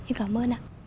em cảm ơn ạ